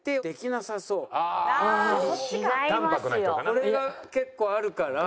これが結構あるから。